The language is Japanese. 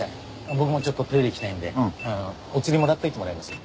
僕もちょっとトイレ行きたいんでおつりもらっておいてもらえます？